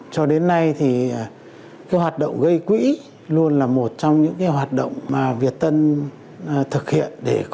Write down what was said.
cho đến nay thì có hoạt động gây quỹ luôn là một trong những cái hoạt động mà việt tân thực hiện để